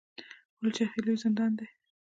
پل چرخي لوی زندان دی